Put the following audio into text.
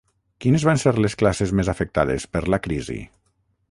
Quines van ser les classes més afectades per la crisi?